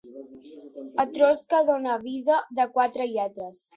A Tros que dona vida, de quatre lletres.